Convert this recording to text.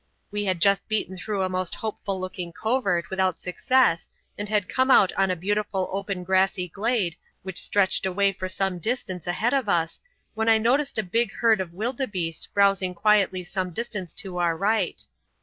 We had just beaten through a most hopeful looking covert without success and had come out on to a beautiful open grassy glade which stretched away for some distance ahead of us, when I noticed a big herd of wildebeeste browsing quietly some distance to our right.